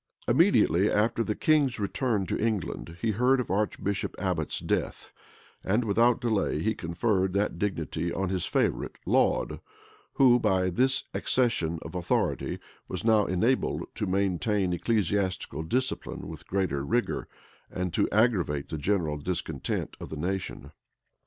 Immediately after the king's return to England, he heard of Archbishop Abbot's death; and, without delay, he conferred that dignity on his favorite, Laud; who, by this accession of authority, was now enabled to maintain ecclesiastical discipline with greater rigor, and to aggravate the general discontent of the nation.